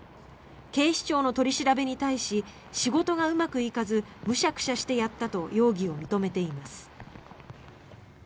警視庁の取り調べに対し仕事がうまくいかずむしゃくしゃしてやったと容疑を認めています。